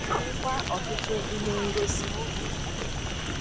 ma meekwa ọtụtụ ihe ngosi